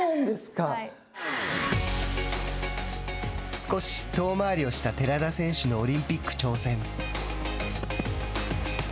少し遠回りをした寺田選手のオリンピック挑戦。